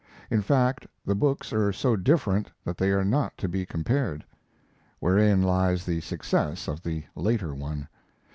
In fact, the books are so different that they are not to be compared wherein lies the success of the later one.